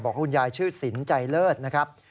คุณยายชื่อสินใจเลิศนะครับ